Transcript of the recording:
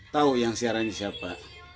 tahu yang siarannya siapa